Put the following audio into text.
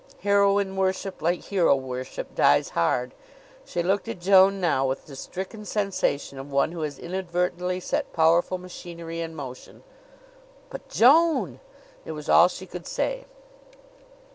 Heroine worship, like hero worship, dies hard. She looked at Joan now with the stricken sensation of one who has inadvertently set powerful machinery in motion. "But, Joan!" It was all she could say.